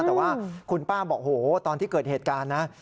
แต่ว่าคุณป้าบอกโหตอนที่เกิดเหตุการณ์นะ